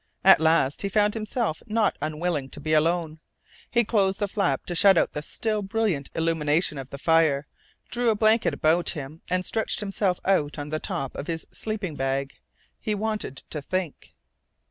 At last he found himself not unwilling to be alone. He closed the flap to shut out the still brilliant illumination of the fire, drew a blanket about him, and stretched himself out on the top of his sleeping bag. He wanted to think.